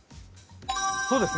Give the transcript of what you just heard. そうですね。